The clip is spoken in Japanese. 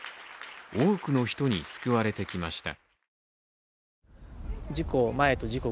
多くの人に救われてきました。